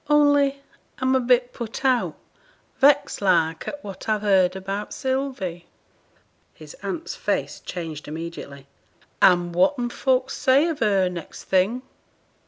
Only I'm a bit put out vexed like at what I've heerd about Sylvie.' His aunt's face changed immediately. 'And whatten folk say of her, next thing?'